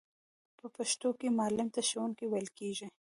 په پښتو کې معلم ته ښوونکی ویل کیږی.